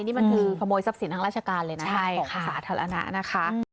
นี่มันคือขโมยทรัพย์สินทางราชการเลยนะของสาธารณะนะคะ